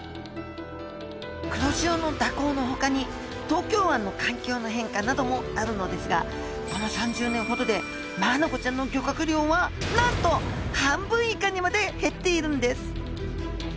黒潮の蛇行のほかに東京湾の環境の変化などもあるのですがこの３０年ほどでマアナゴちゃんの漁獲量はなんと半分以下にまで減っているんです